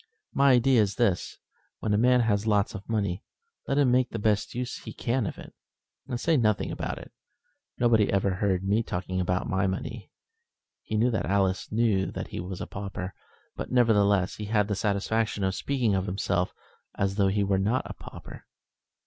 My idea is this, when a man has lots of money, let him make the best use he can of it, and say nothing about it. Nobody ever heard me talking about my money." He knew that Alice knew that he was a pauper; but, nevertheless, he had the satisfaction of speaking of himself as though he were not a pauper.